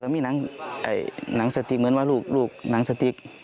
มีหนังสติ๊กเหมือนว่าลูกหนังสติ๊ก